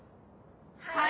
はい！